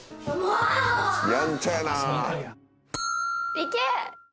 いけ！